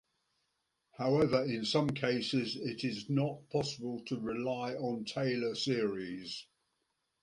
However, in some cases it is not possible to rely on Taylor series.